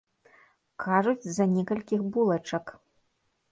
Кажуць, з-за некалькіх булачак.